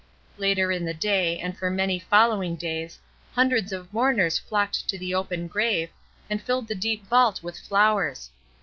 Later in the day, and for many following days, hundreds of mourners flocked to the open grave, and filled the deep vault with flowers.